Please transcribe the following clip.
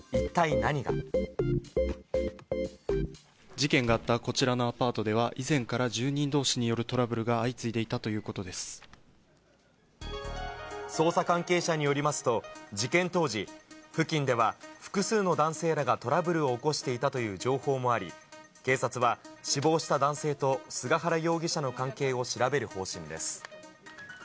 事件があったこちらのアパートでは、以前から住人どうしによるトラブルが相次いでいたという捜査関係者によりますと、事件当時、付近では複数の男性らがトラブルを起こしていたという情報もあり、警察は死亡した男性と、菅原容疑者の関係を調べる方針です。